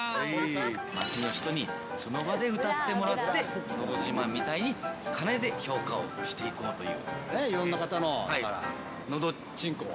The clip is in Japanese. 街の人にその場で歌ってもらってのど自慢みたいに鐘で評価をしていこうという。